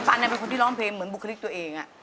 ปันเนี่ยเป็นคนที่ร้องเพลงเหมือนบุคลิกตัวเองอะ